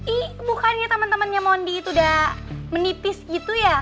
ih bukannya teman temannya mondi itu udah menipis gitu ya